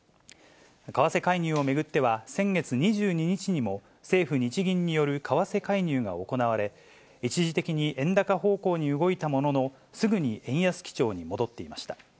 為替介入を巡っては、先月２２日にも、政府・日銀による為替介入が行われ、一時的に円高方向に動いたものの、すぐに円安基調に戻っていました。